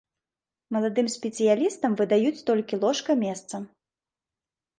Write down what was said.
Маладым спецыялістам выдаюць толькі ложка-месца.